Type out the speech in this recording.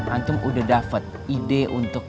antum udah dapet ide untuk